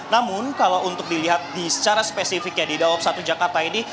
namun kalau untuk dilihat secara spesifiknya di daob satu jakarta ini